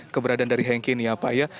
keberadaan dari henki ini ya pak ya